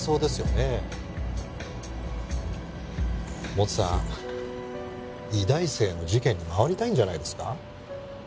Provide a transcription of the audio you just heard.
モツさん医大生の事件に回りたいんじゃないですか？